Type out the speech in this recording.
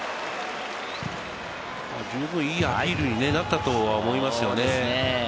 十分いいアピールになったとは思いますよね。